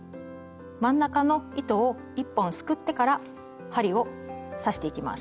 真ん中の糸を１本すくってから針を刺していきます。